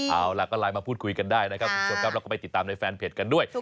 เอาล่ะก็ไลน์มาพูดคุยกันได้นะครับคุณผู้ชมครับแล้วก็ไปติดตามในแฟนเพจกันด้วย